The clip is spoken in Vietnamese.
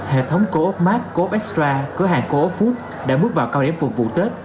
hệ thống co op max co op extra cửa hàng co op food đã bước vào cao đến vùng vụ tết